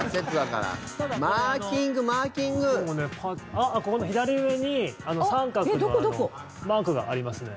あっここの左上に三角のマークがありますね。